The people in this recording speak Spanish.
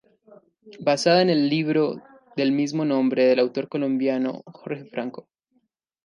Basada en el libro del mismo nombre del autor colombiano Jorge Franco.